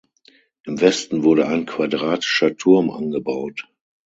Im Westen wurde ein quadratischer Turm angebaut.